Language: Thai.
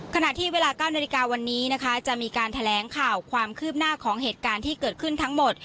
ขณะที่เวลา๙นาฬิกาวันนี้นะคะจะมีการแถลงข่าวความคืบหน้าของเหตุการณ์ที่เกิดขึ้นทั้งหมด